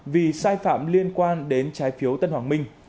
vì sai phạm liên quan đến trái phiếu tân hoàng minh